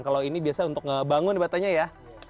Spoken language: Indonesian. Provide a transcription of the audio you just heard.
kalau ini biasa untuk ngebangun katanya ya